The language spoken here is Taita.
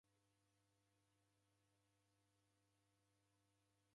Nachi orelumwa ni choka!